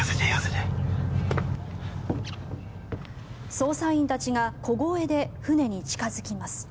捜査員たちが小声で船に近付きます。